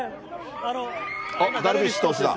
あっ、ダルビッシュ投手だ。